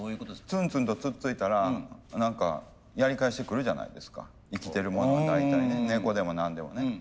ツンツンとつっついたら何かやり返してくるじゃないですか生きてるものは大体ね猫でも何でもね。